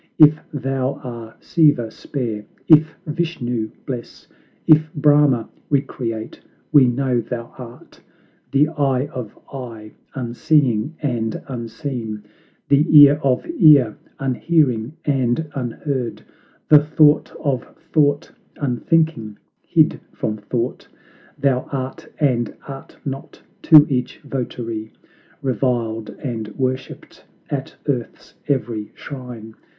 If thou are Siva, spare; if Vishnu, bless; If Brahma, recreate; we know thou art The Eye of eye, unseeing and unseen; The Ear of ear, unhearing and unheard; The Thought of thought, unthinking, hid from thought. Thou art, and art not to each votary; Reviled and worshiped at earth's every shrine!